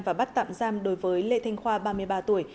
và bắt tạm giam đối với lê thanh khoa ba mươi ba tuổi